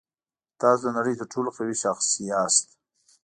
تاسو د نړۍ تر ټولو قوي شخص یاست.